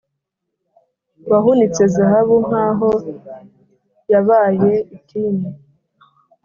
wahunitse zahabu nk’aho yabaye itini,